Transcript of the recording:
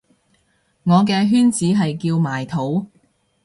我嘅圈子係叫埋土